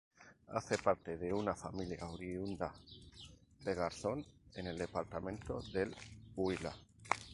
Hace parte de una familia oriunda de Garzón, en el departamento del Huila.